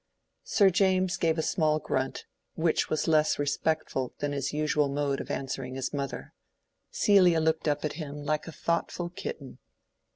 Sir James gave a small grunt, which was less respectful than his usual mode of answering his mother. Celia looked up at him like a thoughtful kitten.